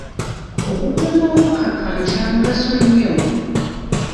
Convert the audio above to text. Okukuuma obukakkamu kya mugaso nnyo.